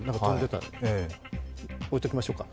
置いときましょうか。